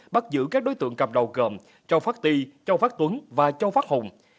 bắt giữ các đối tượng cầm đầu gồm châu phát ti châu phát tuấn và châu phát hùng